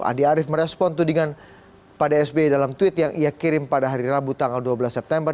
andi arief merespon tudingan pada sbi dalam tweet yang ia kirim pada hari rabu tanggal dua belas september